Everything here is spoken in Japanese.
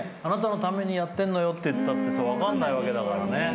「あなたのためにやってんのよ」って言ったって分かんないわけだからね。